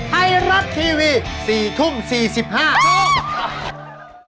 ใครรับทีวี๔ทุ่ม๔๕น